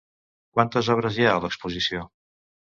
Quantes obres hi ha a l’exposició?